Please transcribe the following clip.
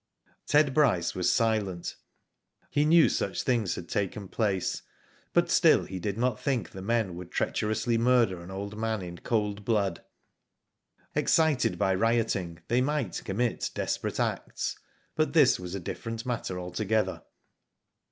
Ted Bryce was silent. He knew such things had taken place, but still he did not think the men would treacherously murder an old man in Digitized byGoogk 46 IV//0 DID IT? cold blood. Excited by rioting, they might commit desperate acts, but this ,was a different matter altogether.